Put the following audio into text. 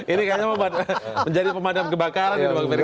ini kayaknya membuat menjadi pemadam kebakaran ya bang ferry